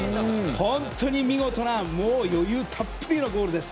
本当に見事な余裕たっぷりのゴールです。